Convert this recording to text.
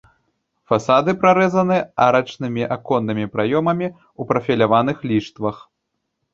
Фасады прарэзаны арачнымі аконнымі праёмамі ў прафіляваных ліштвах.